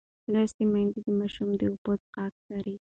لوستې میندې د ماشومانو د اوبو څښاک څاري.